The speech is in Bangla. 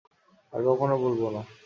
আর কখনো বলব না।